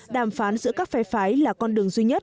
đàm phán giữa các phe phái là con đường duy nhất